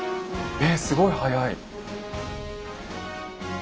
えすごい速い。